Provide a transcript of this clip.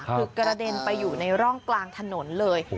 คือกระเด็นไปอยู่ในร่องกลางถนนเลย